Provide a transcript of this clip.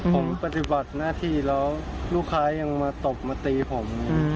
ผมปฏิบัติหน้าที่แล้วลูกค้ายังมาตบมาตีผม